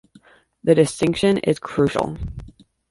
The distinction is crucial.